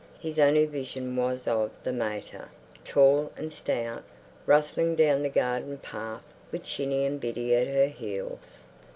his only vision was of the mater, tall and stout, rustling down the garden path, with Chinny and Biddy at her heels....